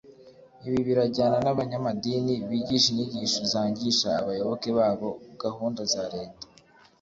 Ibi birajyana n'abanyamadini bigisha inyigisho zangisha abayoboke babo gahunda za Leta